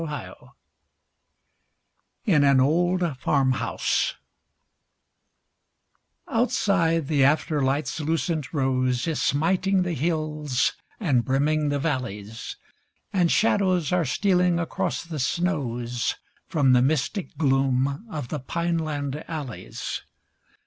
98 IN AN OLD FARMHOUSE Outside the afterlight's lucent rose Is smiting the hills and brimming the valleys, And shadows are stealing across the snows; From the mystic gloom of the pineland alleys.